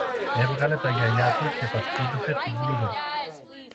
Έβγαλε τα γυαλιά του και τα σκούπισε τη μπλούζα του